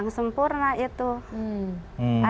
ada di bawahnya ada di bawahnya